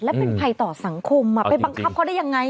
และเป็นภัยต่อสังคมไปบังคับเขาได้ยังไง